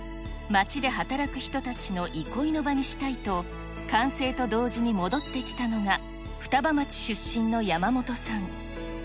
町で働く人たちの憩いの場にしたいと、完成と同時に戻ってきたのが双葉町出身の山本さん。